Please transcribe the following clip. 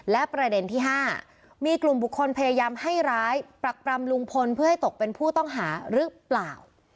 และประเด็นที่๕มีกลุ่มบุคคลพยายามให้ร้ายปรักปรำลุงพลเพื่อให้ตกเป็นผู้ต้องหาหรือเปล่า